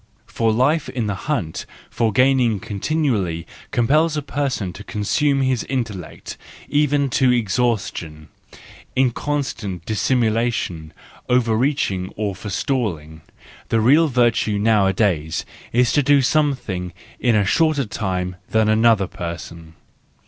For life in the hunt for gain continually compels a person to consume his intellect, even to exhaustion, in con¬ stant dissimulation, overreaching, or forestalling: the real virtue nowadays is to do something in a SANCTUS JANUARIUS 255 shorter time than another person.